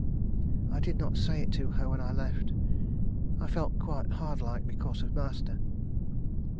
I did not say it to her when I left. I felt quite hard like, because of master.